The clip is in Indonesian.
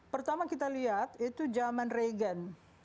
pertama kita lihat itu zaman regen